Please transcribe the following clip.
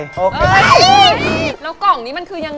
เฮ้ยแล้วกล่องนี้มันคือยังไง